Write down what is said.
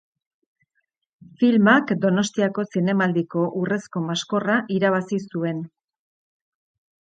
Filmak Donostiako Zinemaldiko Urrezko Maskorra irabazi zuen.